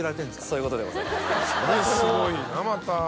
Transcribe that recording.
そういうことでございますね。